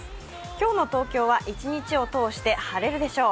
今日の東京は一日を通して晴れるでしょう。